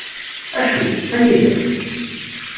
Acu? Anida-t?